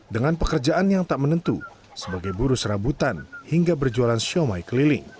dengan pekerjaan yang tak menentu sebagai buru serabutan hingga berjualan siomay keliling